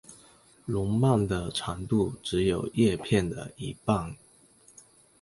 笼蔓的长度只有叶片的一半。